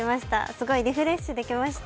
すごいリフレッシュできました。